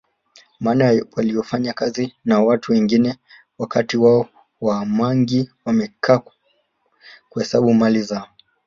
Maana walifanyiwa kazi na watu wengine wakati wao Ma mangi wamekaa kuhesabu mali zao